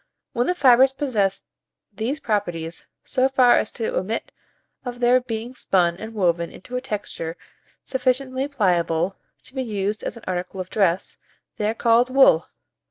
When the fibres possess these properties so far as to admit of their being spun and woven into a texture sufficiently pliable to be used as an article of dress, they are called wool.